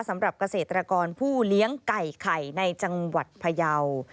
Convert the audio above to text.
สำหรับเกษตรกรผู้เลี้ยงไก่ไข่ในจังหวัดพยาว